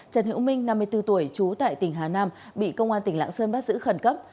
trần hiễu minh năm mươi bốn tuổi trú tại tỉnh hà nam bị công an tỉnh lạng sơn bắt giữ khẩn cấp